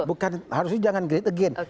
bukan harusnya jangan great again